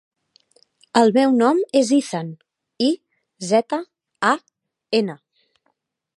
El meu nom és Izan: i, zeta, a, ena.